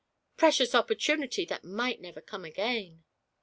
Precious opportunity that might never come again!